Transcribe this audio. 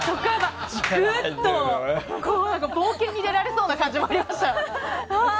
グッと、そのまま冒険に出られそうな感じがありました。